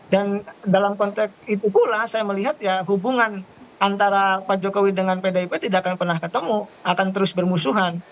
dan dalam konteks itu pula saya melihat ya hubungan antara pak jokowi dengan pdip tidak akan pernah ketemu akan terus bermusuhan